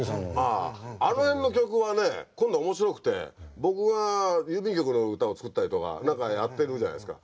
まああの辺の曲はね今度面白くて僕が郵便局の歌を作ったりとか何かやってるじゃないですか。